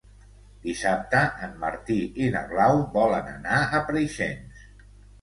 Dissabte en Martí i na Blau volen anar a Preixens.